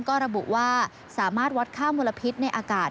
ก็ระบุว่าสามารถวัดค่ามลพิษในอากาศ